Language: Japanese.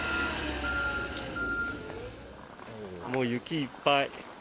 もう雪、いっぱい。